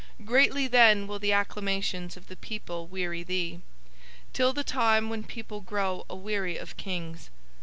Greatly then will the acclamations of the people weary thee, till the time when people grow aweary of Kings.